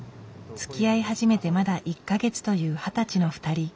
・つきあい始めてまだ１か月という二十歳の２人。